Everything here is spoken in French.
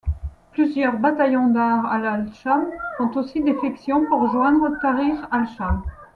Plusieurs bataillons d'Ahrar al-Cham font aussi défection pour rejoindre Tahrir al-Cham.